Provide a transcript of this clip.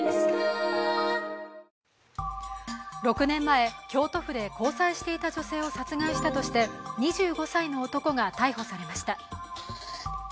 ６年前、京都府で交際していた女性を殺害したとして２５歳の男が逮捕されました。